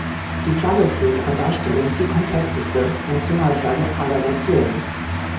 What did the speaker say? Die Flagge ist in ihrer Darstellung die komplexeste Nationalflagge aller Nationen.